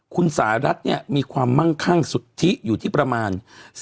คุณสหรัฐเนี่ยมีความมั่งคั่งสุทธิอยู่ที่ประมาณ